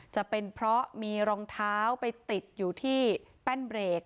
จะเป็นเพราะมีรองเท้าไปติดอยู่ที่แป้นเบรก